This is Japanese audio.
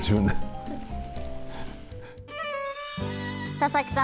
田崎さん